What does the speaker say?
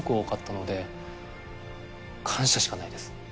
感謝しかないです。